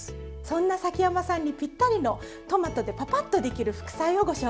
そんな崎山さんにぴったりのトマトでパパッとできる副菜をご紹介します。